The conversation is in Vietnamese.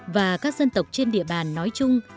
và các dân tộc trên địa bàn nói chung